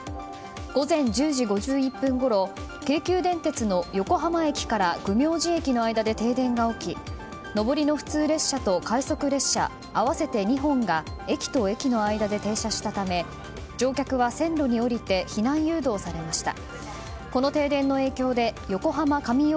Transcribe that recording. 午前１０時５１分ごろ京急電鉄の横浜駅から弘明寺駅の間で停電が起き上りの普通列車と快速列車合わせて２本が駅と駅の間で停車したため乗客は線路に降りて避難誘導されました。